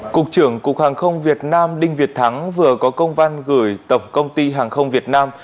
cục trưởng cục hàng không việt nam đinh việt thắng vừa có công văn gửi tổng công ty hàng không việt nam